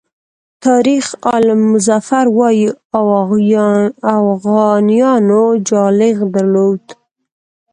تاریخ آل مظفر وایي اوغانیانو جالغ درلود.